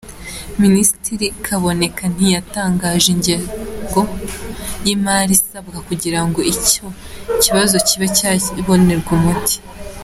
Minisitiri Kaboneka ntiyatangaje ingengo y’imari isabwa kugira ngo icyo kibazo kiba cyabonerwa umuti.